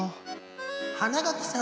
・花垣さん